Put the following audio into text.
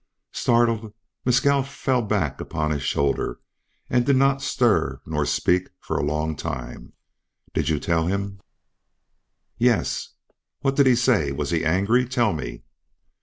Startled, Mescal fell back upon his shoulder and did not stir nor speak for a long time. "Did did you tell him?" "Yes." "What did he say? Was he angry? Tell me."